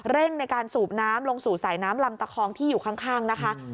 เร่งในการสูบน้ำลงสู่สายน้ำลำตะคองที่อยู่ข้างนะคะ